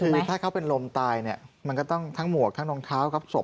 คือถ้าเขาเป็นลมตายเนี่ยมันก็ต้องทั้งหมวกทั้งรองเท้าครับศพ